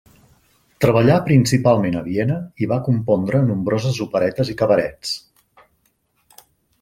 Treballà principalment a Viena i va compondre nombroses operetes i cabarets.